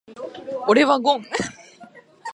俺はゴン。